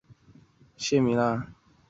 基阿卡湖水又向西流入亚伯特湖。